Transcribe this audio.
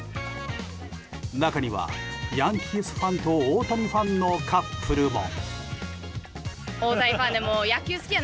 中には、ヤンキースファンと大谷ファンのカップルも。